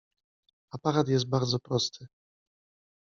Aparat jest bardzo prosty.